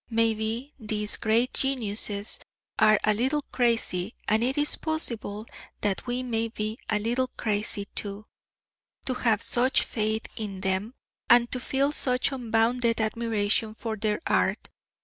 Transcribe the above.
Maybe, these great geniuses are a little crazy, and it is possible that we may be a little crazy too, to have such faith in them and to feel such unbounded admiration for their art.